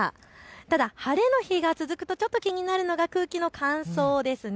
ただ晴れの日が続くとちょっと気になるのが空気の乾燥ですね。